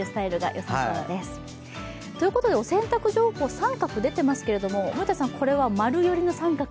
お洗濯情報△出てますけどこれは○寄りの△？